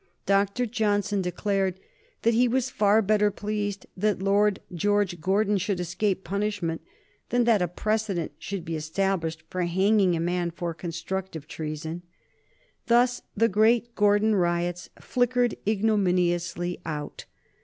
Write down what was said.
Dr. Johnson declared that he was far better pleased that Lord George Gordon should escape punishment than that a precedent should be established for hanging a man for constructive treason. Thus the great Gordon riots flickered ignominiously out.